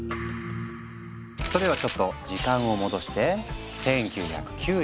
それではちょっと時間を戻して１９９３年。